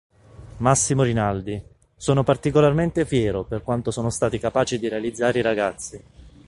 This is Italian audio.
Massimo Rinaldi: "Sono particolarmente fiero per quanto sono stati capaci di realizzare i ragazzi.